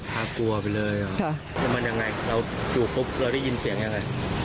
น่ากลัวไปเลยแล้วมันยังไงเราอยู่ปุ๊บเราได้ยินเสียงยังไง